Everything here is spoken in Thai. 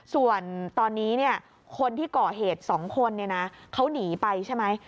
ส่วนตอนนี้เนี่ยคนที่เกาะเหตุสองคนเนี่ยนะเขาหนีไปใช่ไหม